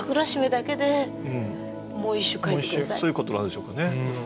月面忘れてそういうことなんでしょうかね。